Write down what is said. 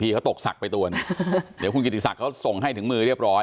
เขาตกศักดิ์ไปตัวหนึ่งเดี๋ยวคุณกิติศักดิ์เขาส่งให้ถึงมือเรียบร้อย